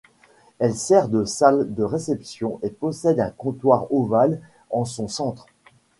Elle sert de salle de réception et possède un comptoir ovale en son centre.